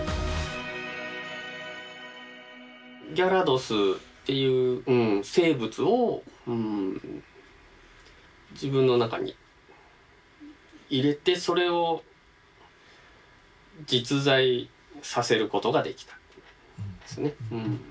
ギャラドスっていう生物を自分の中に入れてそれを実在させることができたんですね。